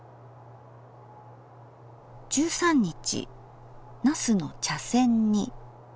１３日「茄子の茶せん煮」。